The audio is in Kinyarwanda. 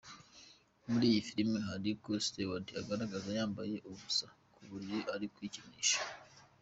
Muri iyi filime hari aho Stewart agaragara yambaye ubusa ku buriri ari kwikinisha.